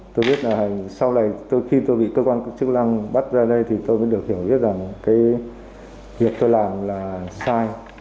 tôi biết là sau này tôi khi tôi bị cơ quan chức năng bắt ra đây thì tôi mới được hiểu biết rằng cái việc tôi làm là sai